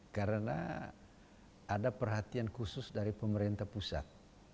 karena ada perhatian khusus dari pemerintah pusat